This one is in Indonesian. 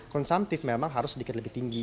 konsumtif memang harus sedikit lebih tinggi